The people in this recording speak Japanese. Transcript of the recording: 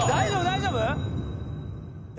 大丈夫？